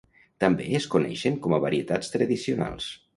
També es coneixen com a varietats tradicionals.